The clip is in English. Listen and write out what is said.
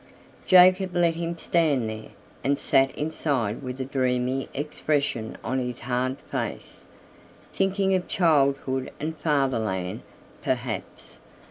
Jacob let him stand there, and sat inside with a dreamy expression on his hard face, thinking of childhood and fatherland, perhaps.